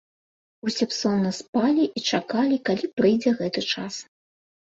Усе б сонна спалі і чакалі, калі прыйдзе гэты час.